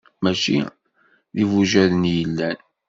Mačči d-ibujaden i yellan.